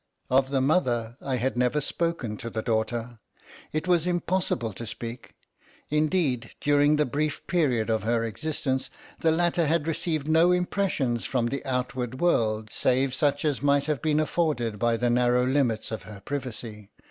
Of the mother I had never spoken to the daughter;—it was impossible to speak. Indeed, during the brief period of her existence, the latter had received no impressions from the outward world, save such as might have been afforded by the narrow limits of her privacy.